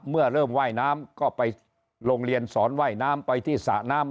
เมื่อเริ่มว่ายน้ำก็ไปโรงเรียนสอนว่ายน้ำไปที่สระน้ำ